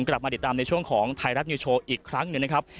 กลับมาติดตามในช่วงของไทยรัฐนิวโชว์อีกครั้งหนึ่งนะครับ